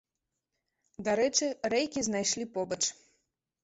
Дарэчы, рэйкі знайшлі побач.